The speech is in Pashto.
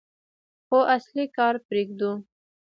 خو اصلي کار پرېږدو.